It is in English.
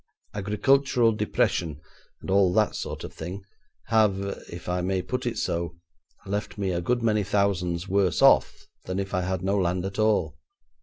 Agricultural depression, and all that sort of thing, have, if I may put it so, left me a good many thousands worse off than if I had no land at all.